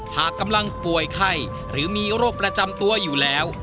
หากกำลังป่วยไข้หรือมีโรคประจำตัวอยู่แล้ว